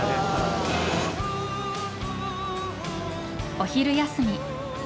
お昼休み。